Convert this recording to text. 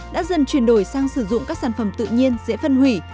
đã dần chuyển đổi sang sử dụng các sản phẩm tự nhiên dễ phân hủy